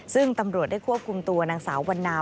ซึ่งตำรวจได้ควบคุมตัวนางสาววันนา